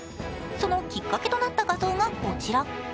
そのきっかけとなった画像がこちら。